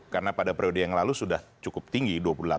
karena pada periode yang lalu sudah cukup tinggi